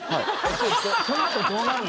そのあとどうなるの？